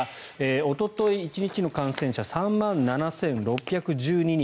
おととい１日の感染者３万７６１２人